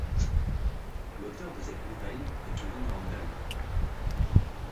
L'auteur de cette nouvelle est Kevin Randle.